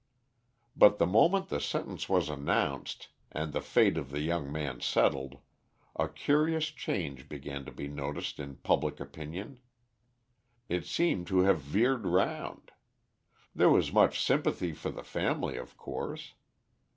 But the moment the sentence was announced, and the fate of the young man settled, a curious change began to be noticed in public opinion. It seemed to have veered round. There was much sympathy for the family of course.